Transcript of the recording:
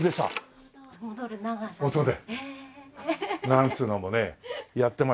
なんつうのもねやってましたけど。